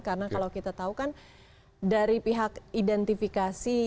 karena kalau kita tahu kan dari pihak identifikasi